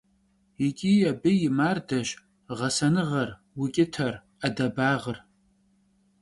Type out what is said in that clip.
Yiç'i abı yi mardeş ğesenığer, vuç'ıter, 'edebağır.